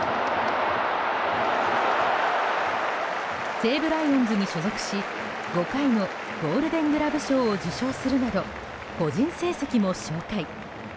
西武ライオンズに所属し５回のゴールデン・グラブ賞を受賞するなど個人成績も紹介。